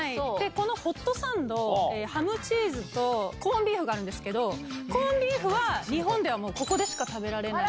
このホットサンド、ハムチーズとコンビーフがあるんですけど、コンビーフは、日本ではもう、ここでしか食べられない。